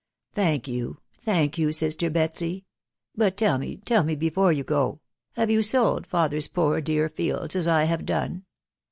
".Thank you, thank you, raster <Betsy ;•... /but tell me, tell me before you go, ....: have you sold father^ *poor dear fields as I have done